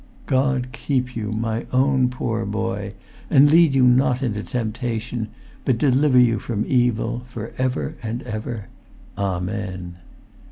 "God keep you, my own poor boy, and lead you not into temptation, but deliver you from evil, for ever and ever, Amen."